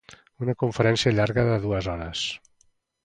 Una conferència llarga de dues hores.